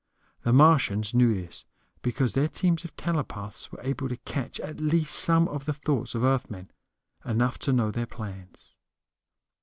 The Martians knew this, because their teams of telepaths were able to catch at least some of the thoughts of Earthmen, enough to know their plans.